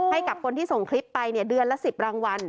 ให้กับคนที่ส่งคลิปไปเดือนละ๑๐รางวัล